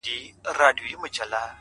لاس يې د ټولو کايناتو آزاد- مړ دي سم-